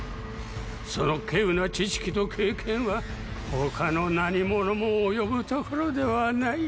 その稀有な知識と経験は他の何者も及ぶところではない。